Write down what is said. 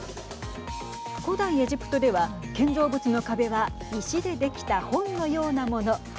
古代エジプトでは、建造物の壁は石でできた本のようなもの。